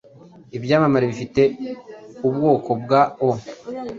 ibyamamare bifite ubwoko bwa O